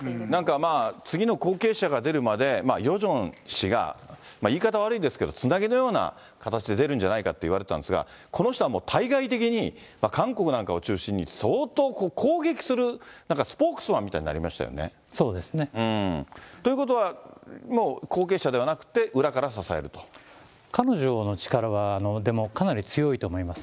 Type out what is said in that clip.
なんか、次の後継者が出るまでヨジョン氏が、言い方悪いですけど、つなぎのような形で出るんじゃないかって言われたんですけど、この人は対外的に韓国なんかを中心に、相当攻撃するなんかスポークスマンみたいになりましたよね。ということは、もう後継者で彼女の力は、でもかなり強いと思います。